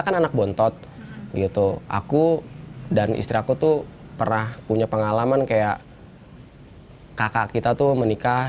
kan anak bontot gitu aku dan istri aku tuh pernah punya pengalaman kayak kakak kita tuh menikah